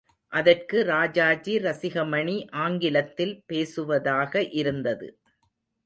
அதற்கு ராஜாஜி ரசிகமணி ஆங்கிலத்தில் பேசுவதாக இருந்தது.